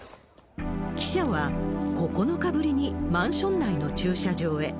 記者は、９日ぶりにマンション内の駐車場へ。